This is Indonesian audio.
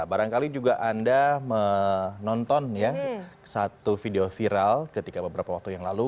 barangkali juga anda menonton satu video viral ketika beberapa waktu yang lalu